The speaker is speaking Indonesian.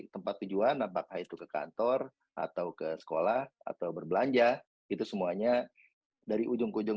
tempat tujuan apakah itu ke kantor atau ke sekolah atau berbelanja itu semuanya dari ujung ke ujung